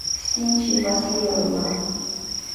Кстинчий Васлий ойла: